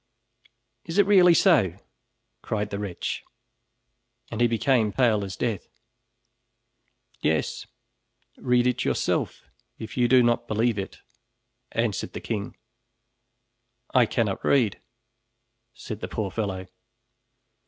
"Is it really so?" cried the wretch and he became pale as death. "Yes, read it yourself, if you do not believe it," answered the king. "I cannot read," said the poor fellow.